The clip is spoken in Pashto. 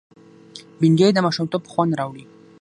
بېنډۍ د ماشومتوب خوند راوړي